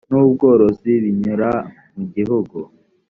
n ubworozi binyura mu gihugu